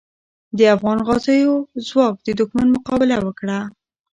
د افغان غازیو ځواک د دښمن مقابله وکړه.